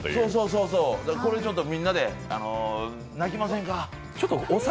そうそうこれちょっと、みんなで泣きませんか。